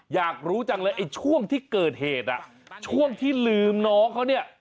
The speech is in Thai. อยากรู้จังเลยไอ้ช่วงที่เกิดเหตุช่วงที่ลืมน้องเขาเนี่ย